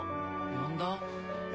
呼んだ？